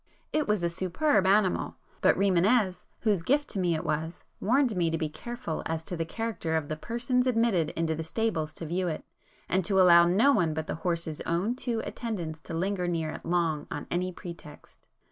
It was a superb animal, but Rimânez, whose gift to me it was, warned me to be careful as to the character of the persons admitted into the stables to view it, and to allow no one but the horse's own two attendants to linger near it long on any pretext.